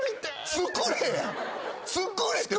作れって。